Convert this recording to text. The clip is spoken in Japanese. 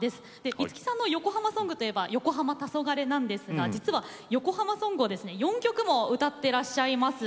五木さんの横浜ソングといえば「よこはま・たそがれ」なんですが実は横浜ソングを４曲も歌ってらっしゃいます。